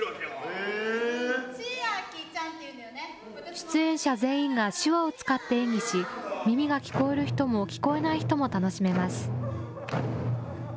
出演者全員が手話を使って演技し、耳が聞こえる人も聞こえない人も楽しめます。